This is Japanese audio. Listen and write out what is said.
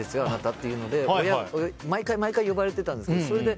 あなたっていうので毎回呼ばれてたんです。